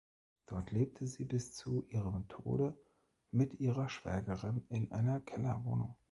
Dort lebte sie bis zu ihrem Tode mit ihrer Schwägerin in einer Kellerwohnung.